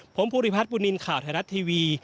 ผมภูริพัฒน์ปุณินข่าวไทยรัฐทีวี